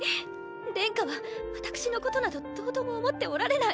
殿下は私のことなどどうとも思っておられない。